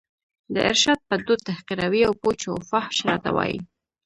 د ارشاد په دود تحقیروي او پوچ و فحش راته وايي